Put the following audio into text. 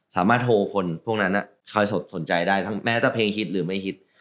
สามารถโทรคนพวกนั้นใครสนใจได้ทั้งแม้แต่เพลงฮิตหรือไม่ฮิต